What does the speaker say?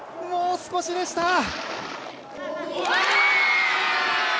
もう少しでした。